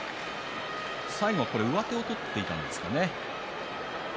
最後は上手を取っていたんですかね。